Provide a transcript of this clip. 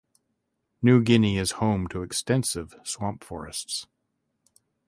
New Guinea is home to extensive swamp forests.